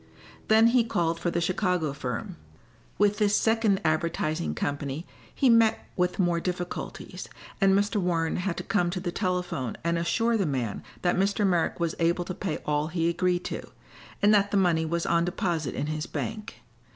Then he called for the Chicago firm. With this second advertising company he met with more difficulties, and Mr. Warren had to come to the telephone and assure the man that Mr. Merrick was able to pay all he agreed to, and that the money was on deposit in his bank.